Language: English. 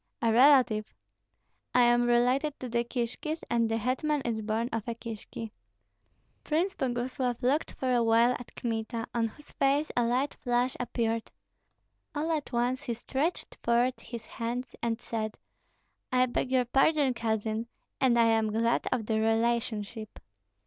"A relative?" "I am related to the Kishkis, and the hetman is born of a Kishki." Prince Boguslav looked for a while at Kmita, on whose face a light flush appeared. All at once he stretched forth his hands and said, "I beg your pardon, cousin, and I am glad of the relationship."